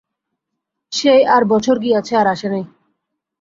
সেই আর বছর গিয়াছে আর আসে নাই।